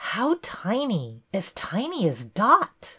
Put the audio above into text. How tiny ! As tiny as Dot!